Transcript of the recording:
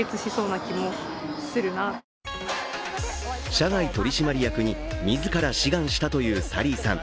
社外取締役に自ら志願したというサリーさん。